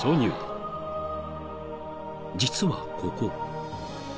［実はここ］